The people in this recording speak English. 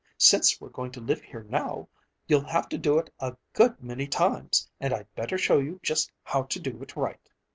Since we're going to live here now, you'll have to do it a good many times, and I'd better show you just how to do it right."